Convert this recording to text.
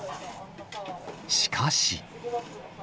しかし。